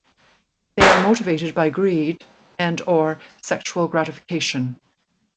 They are motivated by greed and or sexual gratification.